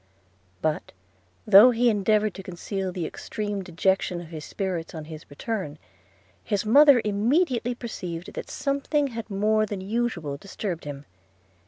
But, though he endeavoured to conceal the extreme dejection of his spirits on his return, his mother immediately perceived that something had more than usual disturbed him.